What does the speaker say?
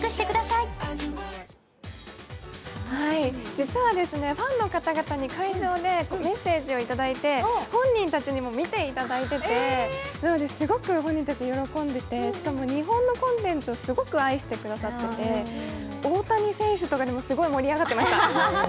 実はファンの方々に会場でメッセージをいただいて本人たちにも見ていただいてて、なのですごく本人たち喜んでてしかも日本のコンテンツをすごく愛してくださってて、大谷選手とかにもすごい盛り上がってました。